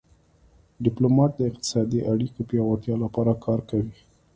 ډیپلومات د اقتصادي اړیکو پیاوړتیا لپاره کار کوي